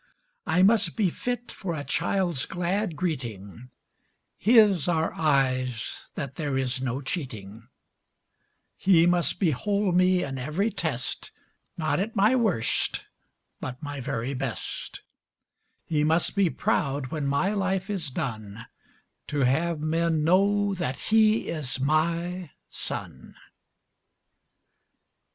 I must be fit for a child's glad greeting, His are eyes that there is no cheating; He must behold me in every test, Not at my worst, but my very best; He must be proud when my life is done To have men know that he is my son.